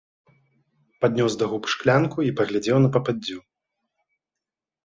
Паднёс да губ шклянку і паглядзеў на пападдзю.